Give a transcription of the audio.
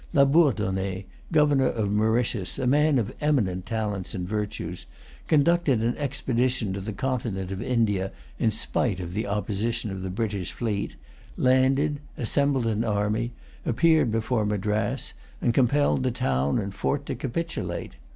Labourdonnais, governor of Mauritius, a man of eminent talents and virtues, conducted an expedition to the continent of India in spite of the opposition of the British fleet, landed, assembled an army, appeared before Madras, and compelled the town and fort to capitulate.